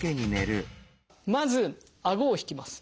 まずあごを引きます。